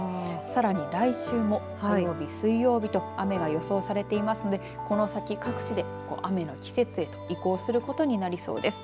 さらに来週も火曜日、水曜日と雨が予想されていますのでこの先各地で雨の季節へと移行することになりそうです。